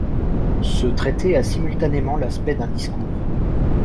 Ce traité a simultanément l'aspect d'un discours.